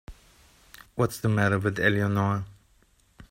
What's the matter with Eleanor?